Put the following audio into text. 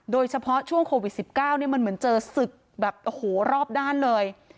โดยเฉพาะช่วงโควิด๑๙เนี่ยมันเหมือนเจอศึกแบบโอ้โหรอบด้านเลย